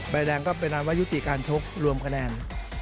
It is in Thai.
ใบแดงก็เพราะยุติการจบรวมคะแนน